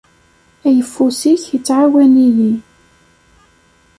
Ayeffus-ik ittɛawan-iyi.